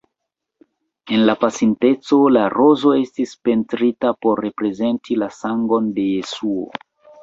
En la pasinteco la rozo estis pentrita por reprezenti la sangon de Jesuo.